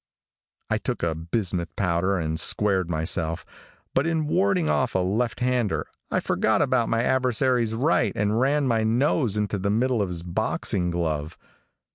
I took a bismuth powder and squared myself, but in warding off a left hander, I forgot about my adversary's right and ran my nose into the middle of his boxing glove.